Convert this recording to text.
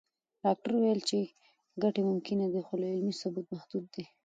ډاکټره وویل چې ګټې ممکنه دي، خو علمي ثبوت محدود دی.